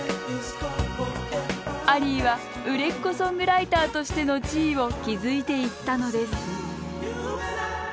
アリーは売れっ子ソングライターとしての地位を築いていったのです